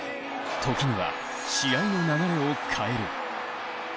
時には、試合の流れを変える。